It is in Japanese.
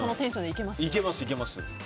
いけます、いけます。